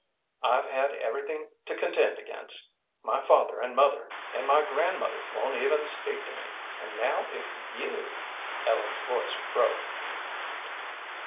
"I've had everything to contend against, my father and mother, and my grandmother won't even speak to me, and now if you " Ellen's voice broke.